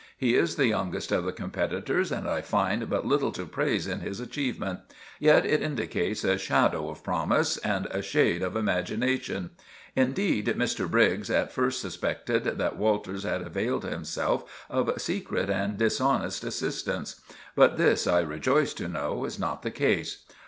"He is the youngest of the competitors, and I find but little to praise in his achievement; yet it indicates a shadow of promise and a shade of imagination. Indeed, Mr. Briggs at first suspected that Walters had availed himself of secret and dishonest assistance; but this, I rejoice to know, is not the case.